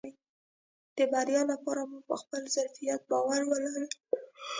د بريا لپاره مو په خپل ظرفيت باور ولرئ .